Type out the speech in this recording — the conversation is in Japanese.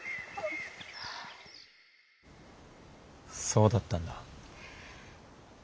そうだったんだ。